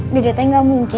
dede tak mungkin